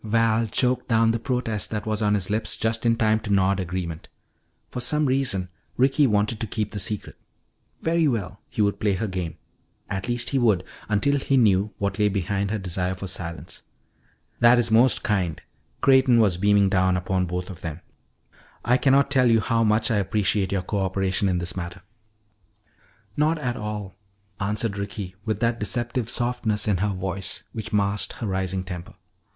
Val choked down the protest that was on his lips just in time to nod agreement. For some reason Ricky wanted to keep the secret. Very well, he would play her game. At least he would until he knew what lay behind her desire for silence. "That is most kind." Creighton was beaming upon both of them. "I cannot tell you how much I appreciate your coöperation in this matter " "Not at all," answered Ricky with that deceptive softness in her voice which masked her rising temper.